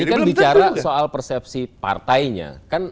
ini kan bicara soal persepsi partainya